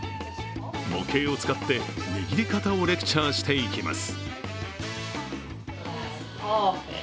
模型を使って握り方をレクチャーしていきます